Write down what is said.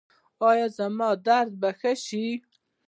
ایا زما درد به ښه شي؟